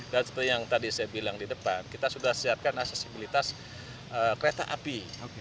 dan seperti yang tadi saya bilang di depan kita sudah siapkan aksesibilitas kereta api